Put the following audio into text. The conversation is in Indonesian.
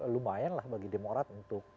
lumayan lah bagi demokrat untuk